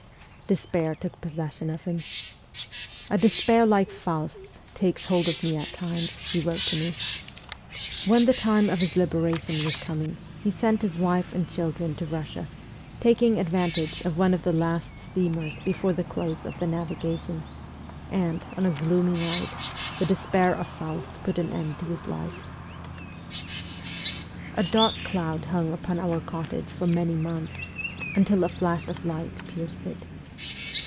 Despair took possession of him. ' A despair like Faust's takes hold of me at times,' he wrote to me. When the time of his liberation was coming, he sent his wife and children to Russia, taking advantage of one of 310 MEMOIRS OF A REVOLUTIONIST the last steamers before the close of the navigation, and, on a gloomy night, theMespair of Faust put an end to his life A dark cloud hung upon our cottage for many months until a flash of light pierced it.